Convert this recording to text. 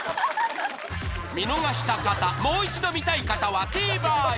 見逃した方もう一度見たい方はＴＶｅｒへ